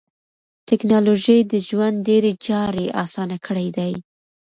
ټکنالوژي د ژوند ډېری چارې اسانه کړې دي.